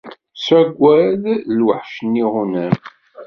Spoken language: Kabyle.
Ssagged lweḥc n yiɣunam.